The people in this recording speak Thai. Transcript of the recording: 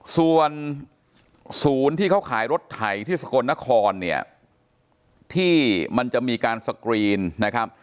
ส่วนศูนย์ที่เขาขายรถไถที่สกลนครเนี่ยที่มันจะมีการสกรีนนะครับ